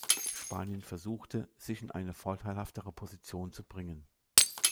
Spanien versuchte, sich in eine vorteilhaftere Position zu bringen.